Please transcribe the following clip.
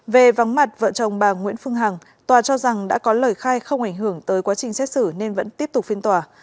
về vắng mặt vợ chồng bà nguyễn phương hằng tòa cho rằng đã có lời khai không ảnh hưởng tới quá trình xét xử nên vẫn tiếp tục phiên tòa